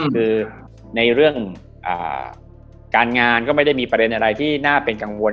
คือในเรื่องการงานก็ไม่ได้มีประเด็นอะไรที่น่าเป็นกังวล